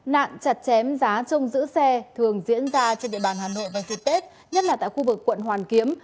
nạn chặt chém giá trong giữ xe thường diễn ra trên địa bàn hà nội vào dịp tết nhất là tại khu vực quận hoàn kiếm